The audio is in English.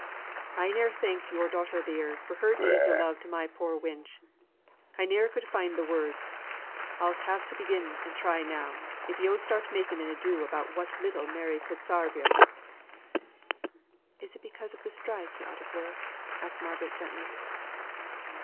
"I ne'er thanken your daughter theer for her deeds o' love to my poor wench. I ne'er could find th' words. I'se have to begin to try now, if yo' start making an ado about what little Mary could sarve yo'." "Is it because of the strike you're out of work?" asked Margaret gently.